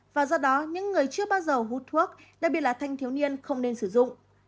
và do đó những người chưa bao giờ hút thuốc đặc biệt là thanh thiếu niên không nên sử dụng